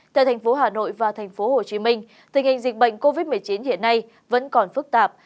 tại thành phố hà nội và thành phố hồ chí minh tình hình dịch bệnh covid một mươi chín hiện nay vẫn còn phức tạp